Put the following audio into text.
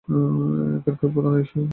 এখানকার প্রধান আয়ের উৎস হল কৃষি।